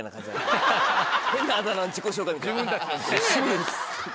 変なあだ名の自己紹介みたい「シュヌレです」。